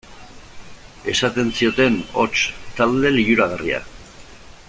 Esaten zioten, hots, talde liluragarria.